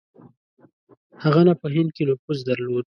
هغه نه په هند کې نفوذ درلود.